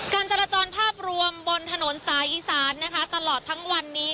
การจราจรภาพรวมบนถนนสายอีสานนะคะตลอดทั้งวันนี้